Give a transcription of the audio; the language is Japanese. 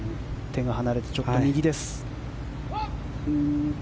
手が離れてちょっと右です。